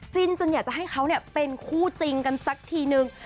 จนอยากจะให้เขาเป็นคู่จริงกันสักทีนึง